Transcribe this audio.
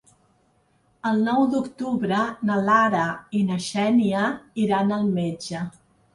El nou d'octubre na Lara i na Xènia iran al metge.